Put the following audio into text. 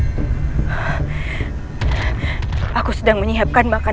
selalu ada akan perlu akabat apapun